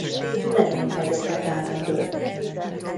Nem én vagyok a támadó.